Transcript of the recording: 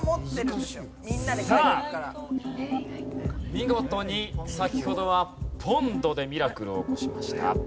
見事に先ほどは「ポンド」でミラクルを起こしました。